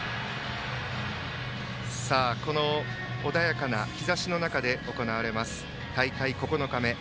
この穏やかな日ざしの中で行われます、大会９日目。